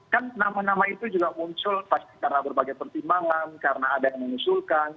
kan nama nama itu juga muncul pasti karena berbagai pertimbangan karena ada yang mengusulkan